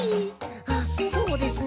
あっそうですね。